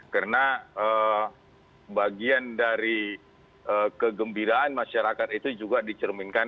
karena bagian dari kegembiraan masyarakat itu juga dicerminkan